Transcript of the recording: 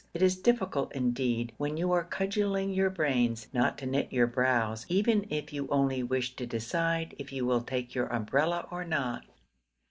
It is difficult, indeed, when you are cudgelling your brains, not to knit your brows, even if you only wish to decide if you will take your umbrella or not.